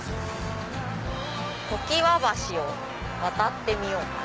「ときわはし」を渡ってみようかな。